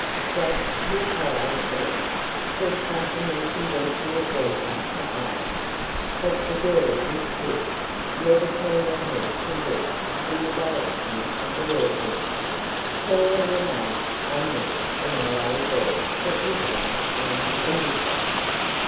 Jack, who followed Ed, said something in conventional greeting to Ida. But the girl with Sid never turned her head to look in the direction of the Whirlwind. Cora remarked on this in a low voice to Isabel and Elizabeth.